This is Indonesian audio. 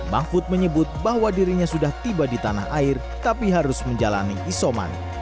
mahfud menyebut bahwa dirinya sudah tiba di tanah air tapi harus menjalani isoman